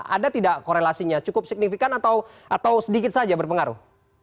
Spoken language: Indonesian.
ada tidak korelasinya cukup signifikan atau sedikit saja berpengaruh